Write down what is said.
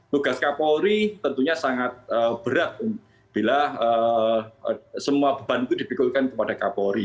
tugas kapolri tentunya sangat berat bila semua beban itu dipikulkan kepada kapolri